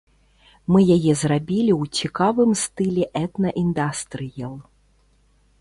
Мы яе зрабілі ў цікавым стылі этна-індастрыел.